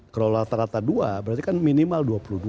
kalau rata rata dua berarti kan minimal dua puluh dua